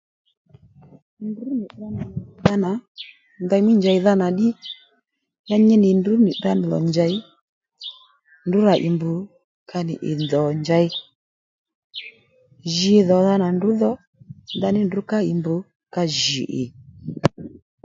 Ndrǔ nì tdra ndanà ndèymí njèydha nà ddí ya nyi nì ndrǔ nì tdrǎ nì lò njěy ndrǔ rà ì mbrù ka nì ì dò njěy ney jǐ dhò dha nà ndrǔ dho ndaní ndrǔ ká ì mbr ka jì ì